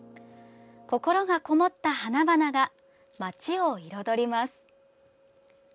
心がこもった花々が町を彩ります。